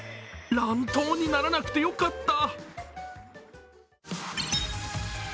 乱闘にならなくてよかった。